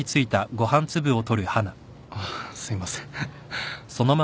あっすいません。